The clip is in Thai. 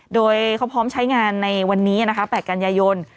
โดยเขาพร้อมใช้งานในวันนี้นะคะ๘กันยายน